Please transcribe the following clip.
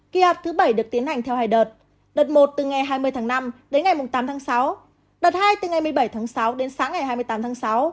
kỳ họp thứ bảy được tiến hành theo hai đợt đợt một từ ngày hai mươi tháng năm đến ngày tám tháng sáu đợt hai từ ngày một mươi bảy tháng sáu đến sáng ngày hai mươi tám tháng sáu